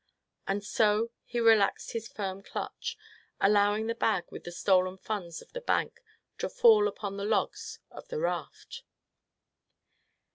And so, he relaxed his firm clutch, allowing the bag with the stolen funds of the bank to fall upon the logs of the raft.